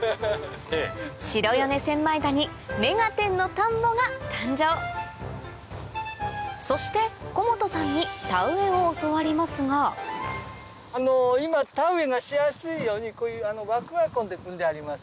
白米千枚田に『目がテン！』の田んぼが誕生そして小本さんに田植えを教わりますが今田植えがしやすいようにこういう枠が組んであります。